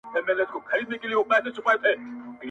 ادم خان دي په خيال گوروان درځي.